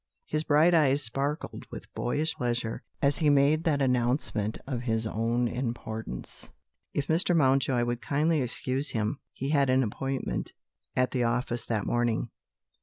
His bright eyes sparkled with boyish pleasure, as he made that announcement of his own importance. If Mr. Mountjoy would kindly excuse him, he had an appointment at the office that morning.